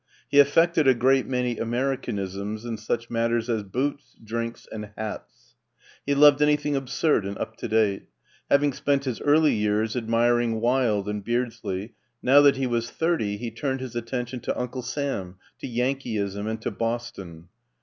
He affected a great many Americanisms in such matters as boots, drinks, and hats. He loved anything absurd and up to date. Having spent his early years admir ing Wilde and Beardsley, now that he was thirty he turned his attention to Uncle Sam, to Yankeeism, and to Boston.